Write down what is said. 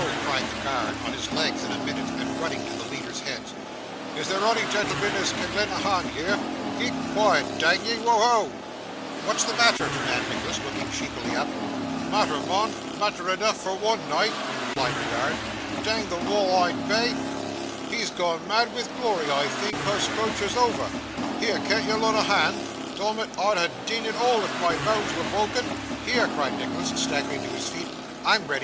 cried the guard, on his legs in a minute, and running to the leaders' heads. 'Is there ony genelmen there as can len' a hond here? Keep quiet, dang ye! Wo ho!' 'What's the matter?' demanded Nicholas, looking sleepily up. 'Matther mun, matter eneaf for one neight,' replied the guard; 'dang the wall eyed bay, he's gane mad wi' glory I think, carse t'coorch is over. Here, can't ye len' a hond? Dom it, I'd ha' dean it if all my boans were brokken.' 'Here!' cried Nicholas, staggering to his feet, 'I'm ready.